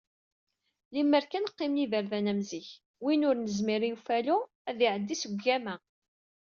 Limer kan qqimen yiberdan am zik, win ur nezmir i ufalu ad d-iεeddi seg ugama.